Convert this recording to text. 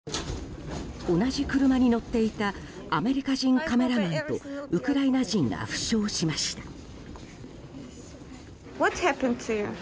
同じ車に乗っていたアメリカ人カメラマンとウクライナ人が負傷しました。